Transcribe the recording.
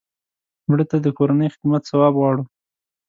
مړه ته د کورنۍ خدمت ثواب غواړو